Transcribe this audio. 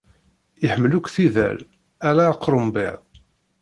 Iḥemmel akk tidal, ala akrembiḍ.